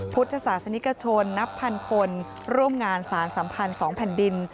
พุทธศาสนิกชนนับพันคนร่วมงานสารสัมพันธ์๒แผ่นดิน